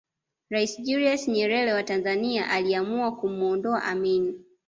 Rais Julius Nyerere wa Tanzania aliamua kumwondoa Amin